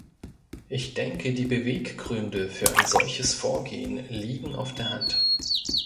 Ich denke, die Beweggründe für ein solches Vorgehen liegen auf der Hand.